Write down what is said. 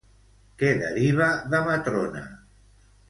Què deriva de Matrona?